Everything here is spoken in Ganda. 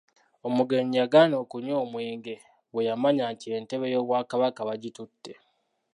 Omugenyi yagaana okunywa omwenge bweyamanya nti entebe y’Obwakabaka bagitutte.